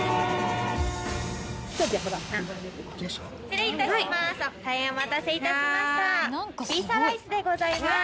失礼いたします。